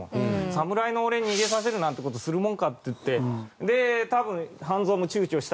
侍の俺に逃げさせるなんて事するもんかって言ってで多分半蔵も躊躇したんでしょう。